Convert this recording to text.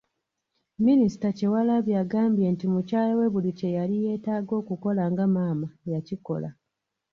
Minisita Kyewalabye agambye nti mukyala we buli kye yali yeetaaga okukola nga maama yakikola .